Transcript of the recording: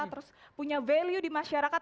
terus punya value di masyarakat